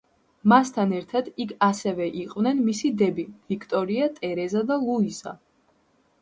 მასთან ერთად იქ ასევე იყვნენ მისი დები: ვიქტორია, ტერეზა და ლუიზა.